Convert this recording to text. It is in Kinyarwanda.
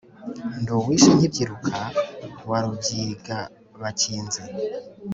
Ndi uwishe nkibyiruka wa Rubyigabakinzi;